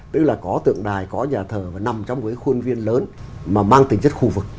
tức là có tượng đài có nhà thờ và nằm trong một khuôn viên lớn mà mang tính chất khu vực